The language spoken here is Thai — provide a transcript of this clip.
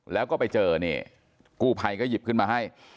แล้วก็ไปเจอกูไพก็หยิบขึ้นมาให้